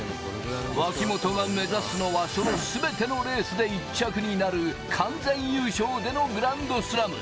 脇本が目立つのはそのすべてのレースで１着になる完全優勝でのグランドスラム。